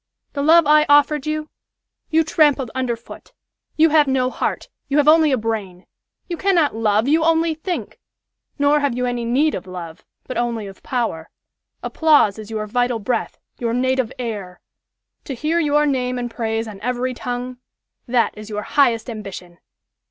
The love I offered you, you trampled underfoot! You have no heart, you have only a brain! You cannot love, you only think! Nor have you any need of love, but only of power! Applause is your vital breath, your native air! To hear your name and praise on every tongue that is your highest ambition!